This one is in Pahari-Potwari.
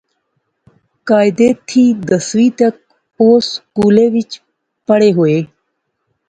قاعدے تھی دسویں تک او سکولے وچ پڑھںے ہوئے